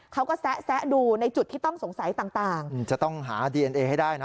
เขาก็แซะดูในจุดที่ต้องสงสัยต่างต่างจะต้องหาดีเอนเอให้ได้นะ